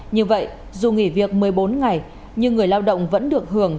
như vậy dù nghỉ việc một mươi bốn ngày nhưng người lao động vẫn được hưởng